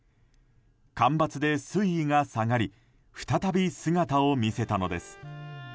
干ばつで水位が下がり再び姿を見せたのです。